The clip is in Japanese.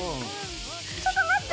ちょっと待って！